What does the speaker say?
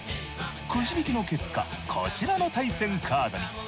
くじ引きの結果こちらの対戦カードに。